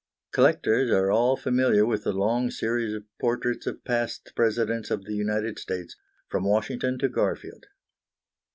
Collectors are all familiar with the long series of portraits of past Presidents of the United States, from Washington to Garfield.